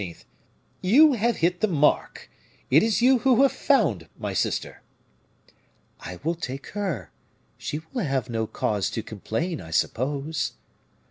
"you have hit the mark, it is you who have found, my sister." "I will take her; she will have no cause to complain, I suppose."